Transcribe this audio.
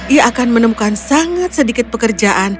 ia akan menemukan sangat sedikit pekerjaan